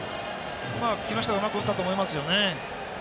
木下がうまく打ったと思います。